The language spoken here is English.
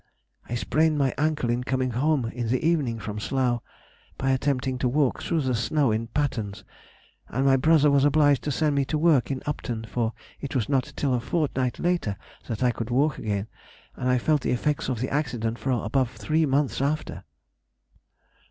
_—I sprained my ankle in coming home in the evening from Slough, by attempting to walk through the snow in pattens, and my brother was obliged to send me work to Upton, for it was not till a fortnight after, that I could walk again, and I felt the effects of the accident for above three months after.